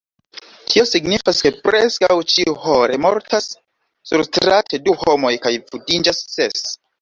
Tio signifas, ke preskaŭ ĉiuhore mortas surstrate du homoj kaj vundiĝas ses.